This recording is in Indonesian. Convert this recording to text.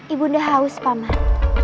ibu nda haus paman